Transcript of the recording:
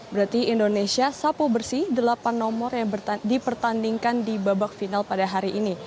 berarti indonesia sapu bersih delapan nomor yang dipertandingkan di babak final pada hari ini